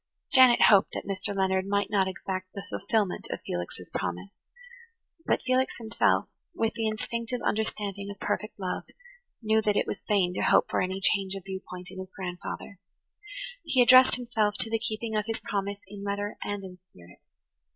Janet hoped that Mr. Leonard might not exact the fulfillment of Felix's promise; but Felix himself, with the instinctive understanding of perfect love, knew that it was vain to hope for any change of viewpoint in his grandfather. He addressed himself to the keeping of his promise in letter and in spirit.